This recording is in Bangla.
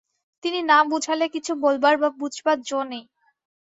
তিনি না বুঝালে কিছু বলবার বা বুঝবার যো নেই।